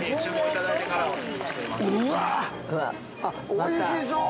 ◆おいしそう。